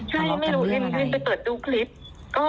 ทะเลาะกันเรื่องอะไรค่ะนี่คือ